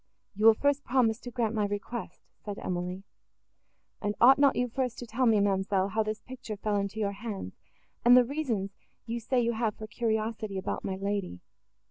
"You will first promise to grant my request," said Emily. "And ought not you first to tell me, ma'amselle, how this picture fell into your hands, and the reasons you say you have for curiosity about my lady?"